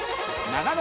長野。